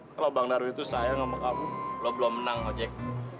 kalau bang darwin tuh sayang sama kamu lo belum menang ojek